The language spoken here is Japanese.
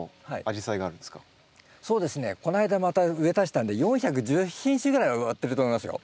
そうですねこないだまた植え足したんで４１０品種ぐらいは植わってると思いますよ。